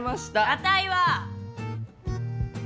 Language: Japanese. あたいは。